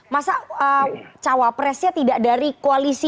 masa cawapresnya tidak dari koalisi kib ini